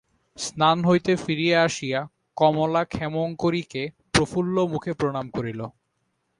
স্নান হইতে ফিরিয়া আসিয়া কমলা ক্ষেমংকরীকে প্রফুল্লমুখে প্রণাম করিল।